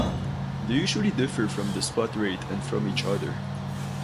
They usually differ from the spot rate and from each other.